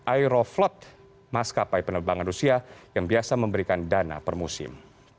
aeroflot maskapai penerbangan rusia yang biasa memberikan dana per musim